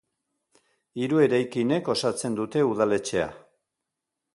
Hiru eraikinek osatzen dute udaletxea.